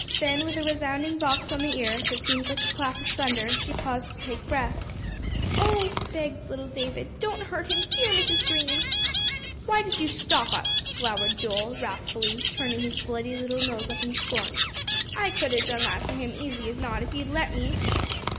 Then, with a resounding box on the ear, that seemed like a clap of thunder, she paused to take breath. "Oh," begged little David, "don't hurt him, dear Mrs. Green." "Why did you stop us?" glowered Joel, wrathfully, turning his bloody little nose up in scorn. "I could 'a' done that to him's easy as not, if you'd let me."